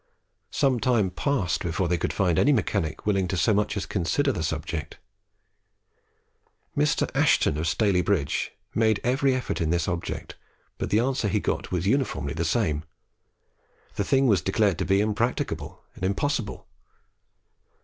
Some time passed before they could find any mechanic willing so much as to consider the subject. Mr. Ashton of Staley bridge made every effort with this object, but the answer he got was uniformly the same. The thing was declared to be impracticable and impossible.